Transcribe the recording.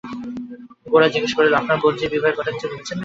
গোরা জিজ্ঞাসা করিল, আপনার বোনঝির বিবাহের কথা কিছু ভেবেছেন নাকি?